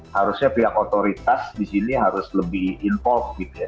harusnya pihak otoritas disini harus lebih involved gitu ya